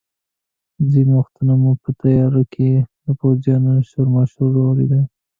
ځینې وختونه مو په تیاره کې د پوځیانو شورماشور اورېده.